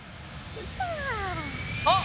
あっ！